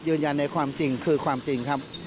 ยืนยันในความจริงคือความจริงครับ